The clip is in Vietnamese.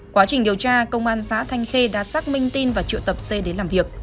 quá trình điều tra công an xã thanh khê đã xác minh tin và triệu tập c đến làm việc